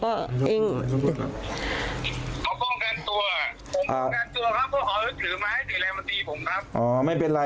บอกแล้วบอกแล้วบอกแล้ว